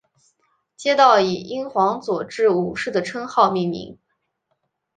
街道以英皇佐治五世的称号命名。